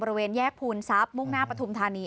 บริเวณแยกภูมิทรัพย์มุ่งหน้าปฐุมธานี